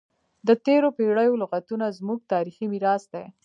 د تیرو پیړیو لغتونه زموږ تاریخي میراث دی.